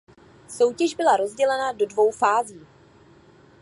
Soutěž byla rozdělena do dvou fází.